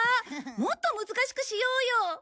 もっと難しくしようよ！